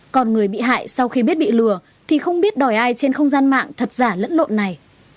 còn người bị hại sau khi biết bị lừa thì không biết đòi ai trên không gian mạng thật giả lẫn lộn này